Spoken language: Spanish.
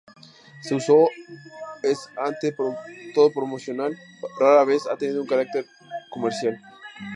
Su uso es ante todo promocional, rara vez ha tenido un carácter comercial.